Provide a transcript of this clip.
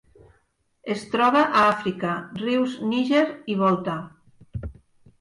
Es troba a Àfrica: rius Níger i Volta.